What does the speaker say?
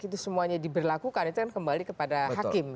itu semuanya diberlakukan itu kan kembali kepada hakim